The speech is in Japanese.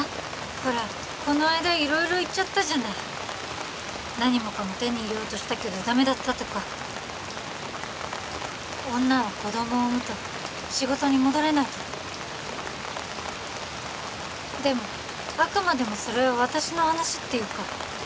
ほらこの間色々言っちゃったじゃない何もかも手に入れようとしたけどダメだったとか女は子供を産むと仕事に戻れないとかでもあくまでもそれは私の話っていうか